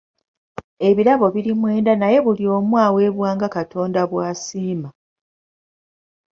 Ebirabo biri mwenda naye buli omu aweebwa nga Katonda bw'asiima